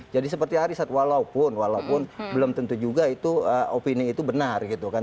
jadi seperti arisat walaupun walaupun belum tentu juga itu opini itu benar gitu kan